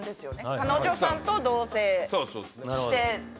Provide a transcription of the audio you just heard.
彼女さんと同棲してて。